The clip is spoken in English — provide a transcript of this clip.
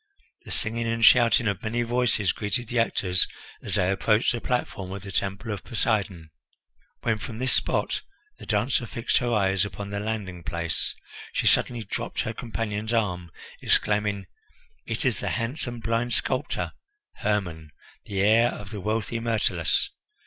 The singing and shouting of many voices greeted the actors as they approached the platform of the Temple of Poseidon. When from this spot the dancer fixed her eyes upon the landing place, she suddenly dropped her companion's arm, exclaiming: "It is the handsome blind sculptor, Hermon, the heir of the wealthy Myrtilus.